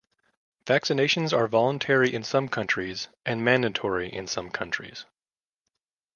Vaccinations are voluntary in some countries and mandatory in some countries.